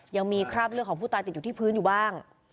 ยังมีคราบเลือดของผู้ตายติดอยู่ที่พื้นอยู่บ้าง